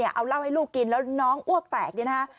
ว่าแม่เอาเหล้าให้ลูกกินแล้วน้องอ้วกแตก